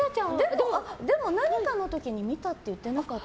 でも何かの時に見たって言ってなかった？